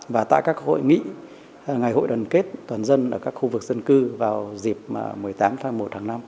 và tại các hội nghị ngày hội đoàn kết toàn dân ở các khu vực dân cư vào dịp một mươi tám tháng một tháng năm